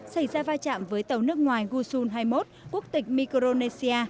xảy ra va chạm với tàu nước ngoài gousin hai mươi một quốc tịch micronesia